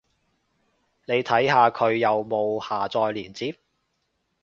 你睇下佢有冇下載連接